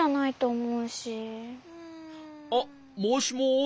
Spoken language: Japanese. あっもしもし。